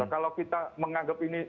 kalau kita menganggap ini